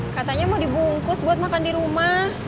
katanya mau dibungkus buat makan dirumah